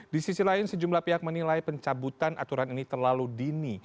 di sisi lain sejumlah pihak menilai pencabutan aturan ini terlalu dini